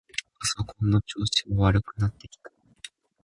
パソコンの調子が悪くなってきた。